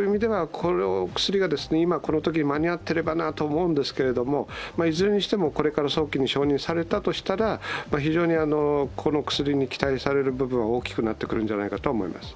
この薬が今、このときに間にあっていればなと思うんですけれどいずれにしても、これから早期に承認されたとしたら、非常にこの薬に期待される部分は大きくなってくるんじゃないかと思います。